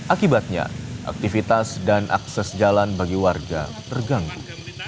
akibatnya aktivitas dan akses jalan bagi warga terganggu